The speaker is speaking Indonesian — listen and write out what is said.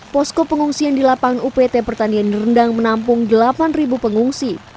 posko pengungsian di lapangan upt pertanian rendang menampung delapan pengungsi